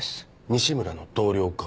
西村の同僚か。